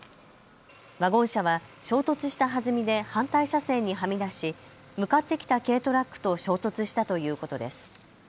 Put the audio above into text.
ワゴン車は衝突したはずみで反対車線にはみ出し向かってきた軽トラックと衝突したということです。